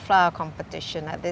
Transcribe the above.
pada saat ini